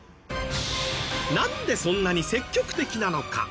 なんでそんなに積極的なのか？